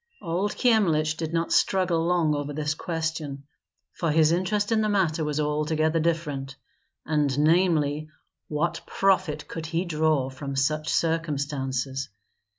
Old Kyemlich did not struggle long over this question, for his interest in the matter was altogether different; and namely, what profit could he draw from such circumstances?